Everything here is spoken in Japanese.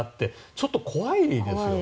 ちょっと怖いですよね。